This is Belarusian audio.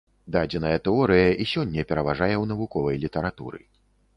Дадзеная тэорыя і сёння пераважае ў навуковай літаратуры.